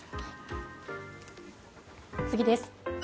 次です。